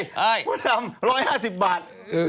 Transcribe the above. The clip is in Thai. มันทำ๑๕๐บาท